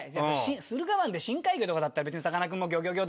駿河湾で深海魚とかだったら別にさかなクンも「ギョギョギョ！」